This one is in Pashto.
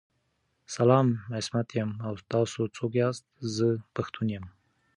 سلام عصمت یم او تاسو څوک ياست ذه پښتون یم